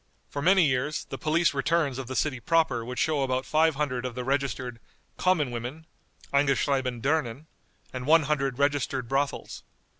For many years the police returns of the city proper would show about five hundred of the registered "common women" (eingeschrieben Dirnen), and one hundred registered brothels.